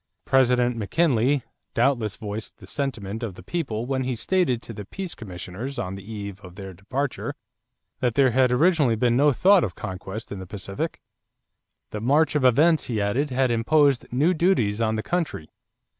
President McKinley doubtless voiced the sentiment of the people when he stated to the peace commissioners on the eve of their departure that there had originally been no thought of conquest in the Pacific. The march of events, he added, had imposed new duties on the country.